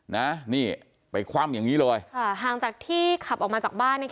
นะนี่ไปคว่ำอย่างนี้เลยค่ะห่างจากที่ขับออกมาจากบ้านเนี่ย